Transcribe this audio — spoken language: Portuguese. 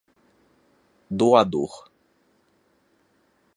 doador